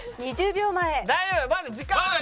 １０秒前。